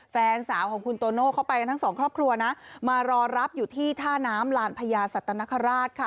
แฟนสาวของคุณโตโน่เข้าไปกันทั้งสองครอบครัวนะมารอรับอยู่ที่ท่าน้ำลานพญาสัตนคราชค่ะ